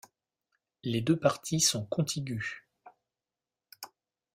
Les deux parties sont contiguës.